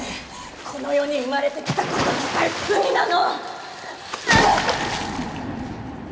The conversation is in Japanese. この世に生まれてきたこと自体罪なの！！